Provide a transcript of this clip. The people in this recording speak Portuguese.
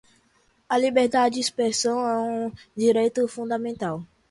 A liberdade de expressão é um direito fundamental.